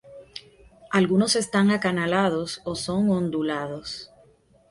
Algunos están acanalados o son ondulados.